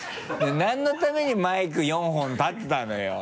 何のためにマイク４本立てたのよ。